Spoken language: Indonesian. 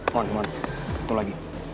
mon mon betul lagi